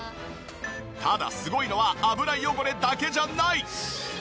ただすごいのは油汚れだけじゃない！